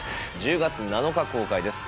１０月７日公開です